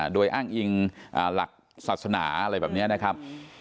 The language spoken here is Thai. โดยอ้างอิงหลักศาสนาอะไรแบบนี้นะครับ